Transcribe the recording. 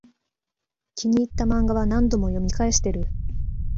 気に入ったマンガは何度も読み返してる